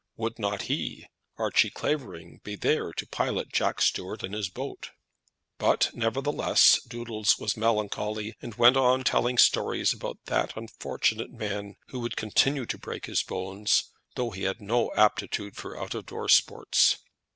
Would not he, Archie Clavering, be there to pilot Jack Stuart and his boat? But, nevertheless, Doodles was melancholy, and went on telling stories about that unfortunate man who would continue to break his bones, though he had no aptitude for out of door sports.